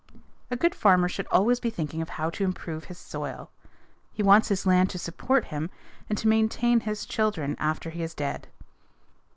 _ A good farmer should always be thinking of how to improve his soil. He wants his land to support him and to maintain his children after he is dead.